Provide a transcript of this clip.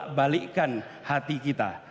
dan membalikkan hati kita